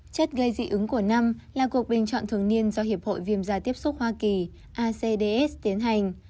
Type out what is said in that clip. chất gây dị ứng của năm là cuộc bình chọn thường niên do hiệp hội viêm da tiếp xúc hoa kỳ acds tiến hành